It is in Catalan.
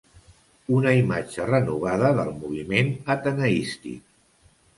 Una imatge renovada del moviment ateneístic.